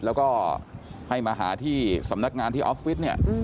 แล้วก็ให้มาหาที่สำนักงานที่ออฟฟิศเนี่ย